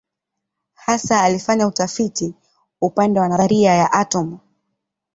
Hasa alifanya utafiti upande wa nadharia ya atomu.